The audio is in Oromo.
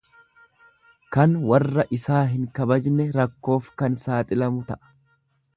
Kan warra isaa hin kabajne rakkoof kan saaxilamu ta'a.